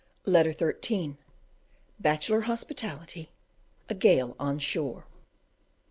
Letter XIII: Bachelor hospitality. a gale on shore.